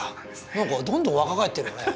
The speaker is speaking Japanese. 何かどんどん若返ってるよね。